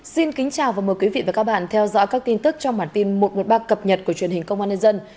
xin kính chào và mời quý vị và các bạn theo dõi các tin tức trong bản tin một trăm một mươi ba cập nhật của truyền hình công an nhân dân